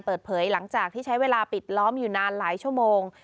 เปิดเผยหลังจากที่ใช้เวลาปิดล้อมอยู่นานหลายชั่วโมง